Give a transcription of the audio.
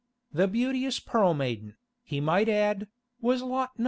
The beauteous Pearl Maiden, he might add, was Lot No.